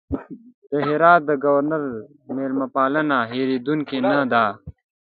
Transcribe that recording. د هرات د ګورنر مېلمه پالنه هېرېدونکې نه ده.